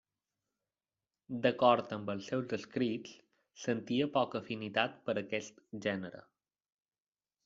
D'acord amb els seus escrits, sentia poca afinitat per aquest gènere.